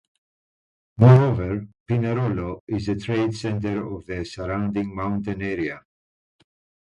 Moreover, Pinerolo is the trade center of the surrounding mountain area.